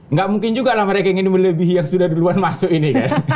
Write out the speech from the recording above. nggak mungkin juga lah mereka yang ini melebihi yang sudah duluan masuk ini